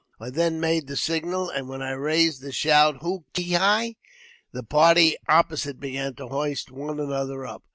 I then made the signal, and when I raised the shout '* Hoo ki hi," the party opposite began to hoist one another up.